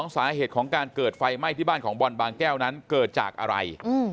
สาเหตุของการเกิดไฟไหม้ที่บ้านของบอลบางแก้วนั้นเกิดจากอะไร